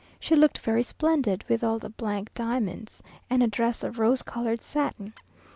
She looked very splendid, with all the diamonds, and a dress of rose coloured satin.